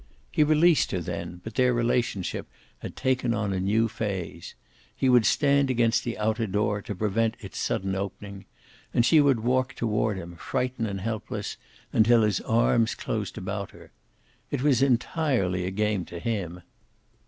He released her then, but their relationship had taken on a new phase. He would stand against the outer door, to prevent its sudden opening. And she would walk toward him, frightened and helpless until his arms closed about her. It was entirely a game to him.